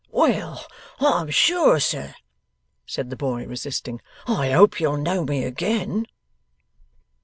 'Well, I'm sure, sir!' said the boy, resisting; 'I hope you'll know me again.